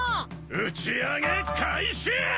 打ち上げ開始！